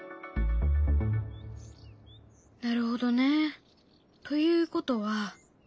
なるほどね。ということは。